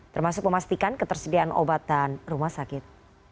termasuk memastikan ketersediaan obat dan rumah sakit